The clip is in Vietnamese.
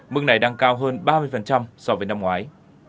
mức này đang cao hơn ba mươi so với năm ngoái